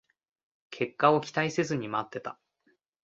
結果を期待せずに待ってた